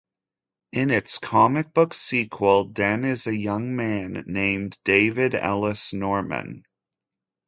In its comic-book sequel, Den is a young man named David Ellis Norman.